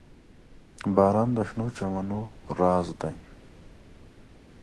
• باران د شنو چمنونو راز دی.